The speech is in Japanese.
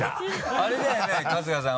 あれだよね春日さん。